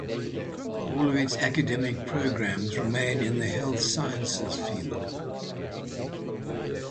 All of its academic programs remain in the health sciences field.